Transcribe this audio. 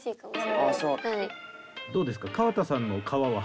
どうですか？